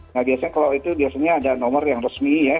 nah biasanya kalau itu biasanya ada nomor yang resmi ya